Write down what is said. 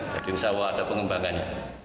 jadi insya allah ada pengembangan